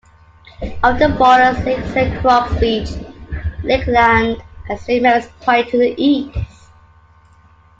Afton borders Lake Saint Croix Beach, Lakeland, and Saint Mary's Point to the east.